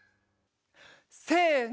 せの！